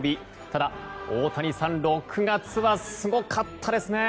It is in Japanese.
ただ、大谷さん、６月はすごかったですね。